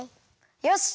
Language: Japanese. よし！